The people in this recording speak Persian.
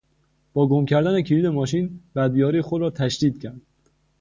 با گم کردن کلید ماشین، بد بیاری خود را تشدید کرد.